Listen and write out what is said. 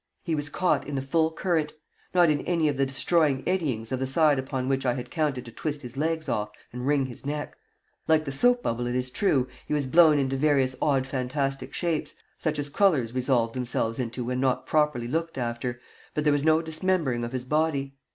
He was caught in the full current, not in any of the destroying eddyings of the side upon which I had counted to twist his legs off and wring his neck. Like the soap bubble it is true, he was blown into various odd fantastic shapes, such as crullers resolve themselves into when not properly looked after, but there was no dismembering of his body.